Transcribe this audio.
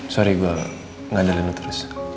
sorry gue nggak ada lalu terus